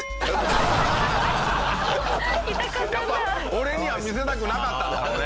俺には見せたくなかったんだろうね。